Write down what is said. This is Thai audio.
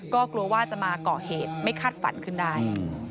ก็กลัวว่าจะมาก่อเหตุไม่คาดฝันขึ้นได้